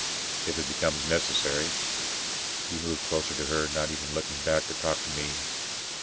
"If it becomes necessary." He moved closer to her, not even looking back to talk to me.